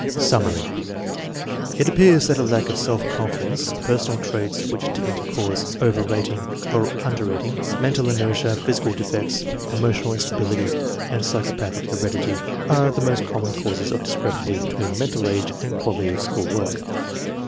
Summary. It appears that lack of self confidence, personal traits which tend to cause over rating or un der rating, mental inertia, physical defects, emotional instability, and psychopathic heredity are the most common causes of discrepancy between mental age and quality of school work.